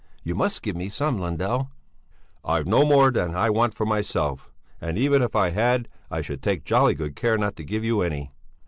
You must give me some, Lundell!" "I've no more than I want for myself and even if I had, I should take jolly good care not to give you any."